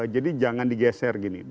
jadi jangan digeser gini